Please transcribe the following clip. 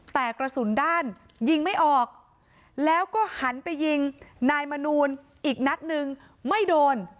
แต่กระสุนด้านยิงไม่ออกแล้วก็หันไปยิงนายมนูลอีกนัดนึงไม่โดน